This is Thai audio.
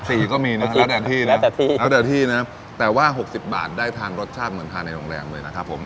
ก็มีนะแล้วแต่ที่นะแต่ที่แล้วแต่ที่นะแต่ว่าหกสิบบาทได้ทานรสชาติเหมือนทานในโรงแรมเลยนะครับผม